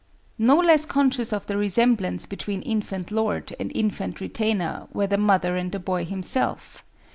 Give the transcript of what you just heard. No less conscious of the resemblance between infant lord and infant retainer, were the mother and the boy himself.